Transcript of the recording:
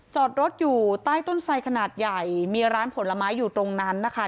จอดรถอยู่ใต้ต้นไสขนาดใหญ่มีร้านผลไม้อยู่ตรงนั้นนะคะ